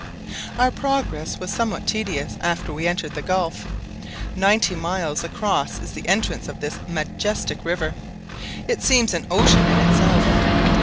Our progress was somewhat tedious after we entered the gulf. Ninety miles across is the entrance of this majestic river; it seems an ocean in itself.